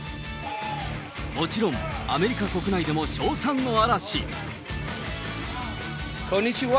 もちろん、アメリカ国内でも称賛の嵐。